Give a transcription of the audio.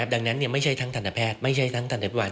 ดังนั้นไม่ใช่ทั้งทันแพทย์ไม่ใช่ทั้งทันเน็ตวัน